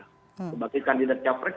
sebagai kandidat caprek